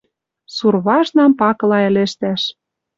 Сурважнам пакыла ӹлӹжтӓш...»